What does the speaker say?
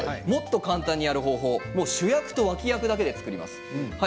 簡単にやる方法主役と脇役だけで作ります。